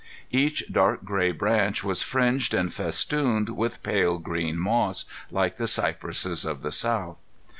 Each dark gray branch was fringed and festooned with pale green moss, like the cypresses of the South.